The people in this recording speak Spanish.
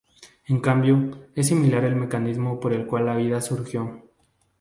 En cambio, es similar el mecanismo por el cual la vida surgió.